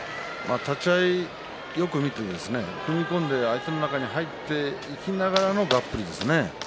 立ち合いよく見て踏み込んで相手の中に入っていきながらのがっぷりですね。